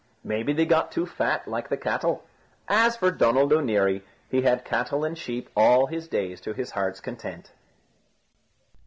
Maybe they got too fat, like the cattle. As for Donald O'Neary, he had cattle and sheep all his days to his heart's content.